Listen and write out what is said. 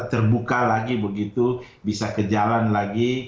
terbuka lagi begitu bisa ke jalan lagi